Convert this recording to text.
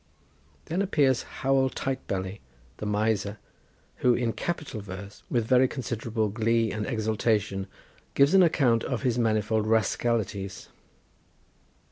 Then appears Howel Tightbelly, the miser, who in capital verse, with very considerable glee and exultation, gives an account of his manifold rascalities.